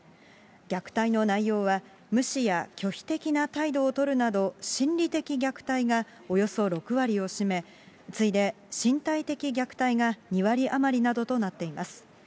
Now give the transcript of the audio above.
虐待の内容は、無視や拒否的な態度を取るなど心理的虐待がおよそ６割を占め、次いで身体的虐待が２割余りなどとなっています。